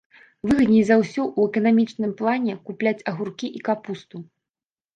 Выгадней за ўсё ў эканамічным плане купляць агуркі і капусту.